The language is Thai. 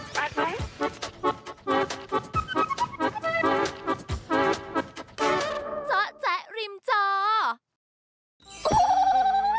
เจ้าแจ๊กริมเจ้า